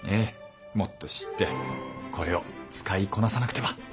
もっと知ってこれを使いこなさなくては！